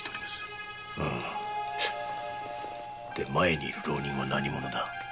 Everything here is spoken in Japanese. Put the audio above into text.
前にいる浪人者は何者だ？